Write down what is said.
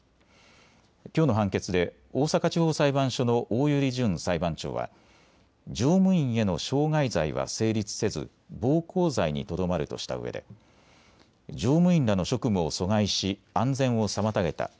きょうの判決で大阪地方裁判所の大寄淳裁判長は乗務員への傷害罪は成立せず暴行罪にとどまるとしたうえで乗務員らの職務を阻害し安全を妨げた。